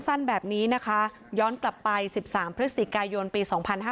สั้นแบบนี้นะคะย้อนกลับไป๑๓พฤศจิกายนปี๒๕๕๙